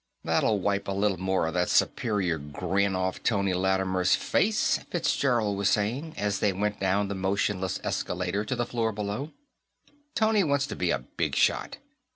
"This'll wipe a little more of that superior grin off Tony Lattimer's face," Fitzgerald was saying, as they went down the motionless escalator to the floor below. "Tony wants to be a big shot.